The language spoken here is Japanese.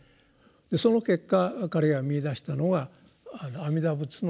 その結果彼が見いだしたのは阿弥陀仏の名前を称える。